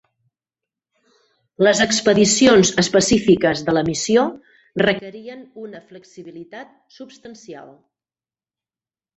Les expedicions específiques de la missió requerien una flexibilitat substancial.